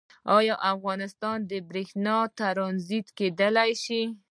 آیا افغانستان د بریښنا ټرانزیټ کیدی شي؟